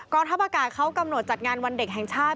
ทัพอากาศเขากำหนดจัดงานวันเด็กแห่งชาติ